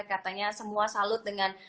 katanya semua salut dengan